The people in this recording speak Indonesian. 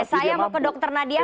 saya mau ke dr nadia